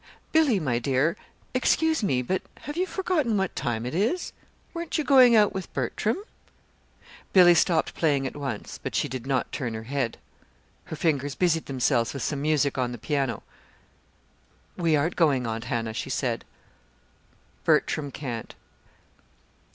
"Billy, my dear, excuse me, but have you forgotten what time it is? Weren't you going out with Bertram?" Billy stopped playing at once, but she did not turn her head. Her fingers busied themselves with some music on the piano. "We aren't going, Aunt Hannah," she said. "Bertram can't."